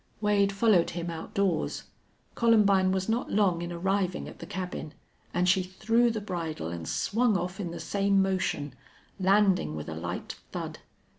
Wade followed him outdoors. Columbine was not long in arriving at the cabin, and she threw the bridle and swung off in the same motion, landing with a light thud.